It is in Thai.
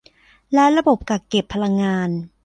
และระบบกักเก็บพลังงาน